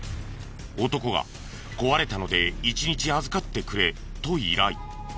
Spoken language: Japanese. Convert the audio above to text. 男が「壊れたので一日預かってくれ」と依頼。